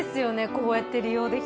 こうやって利用できたら。